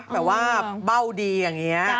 แบบว่าเบ้าดีอย่างนี้